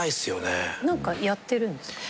何かやってるんですか？